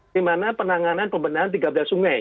dimana penanganan pembinaan tiga belas sungai